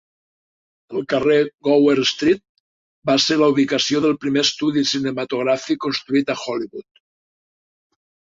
El carrer Gower Street va ser la ubicació del primer estudi cinematogràfic construït a Hollywood.